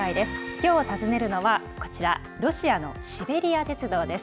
きょう訪ねるのはロシアのシベリア鉄道です。